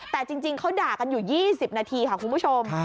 แต่จริงเขาด่ากันอยู่๒๐นาทีค่ะคุณผู้ชม